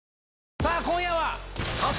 さあ、今夜は！